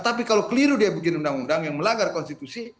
tapi kalau keliru dia bikin undang undang yang melanggar konstitusi